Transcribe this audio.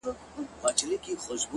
• سر مي بلند دی ـ